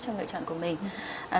trong lựa chọn của mình